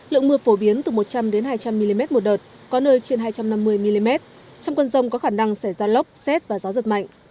lượng mưa phổ biến từ một trăm linh hai trăm linh mm một đợt có nơi trên hai trăm năm mươi mm trong cơn rông có khả năng xảy ra lốc xét và gió giật mạnh